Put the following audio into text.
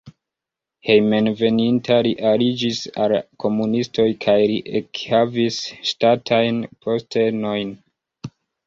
Hejmenveninta li aliĝis al la komunistoj kaj li ekhavis ŝtatajn postenojn.